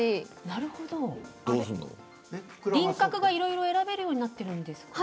輪郭がいろいろ選べるようになってるんですね。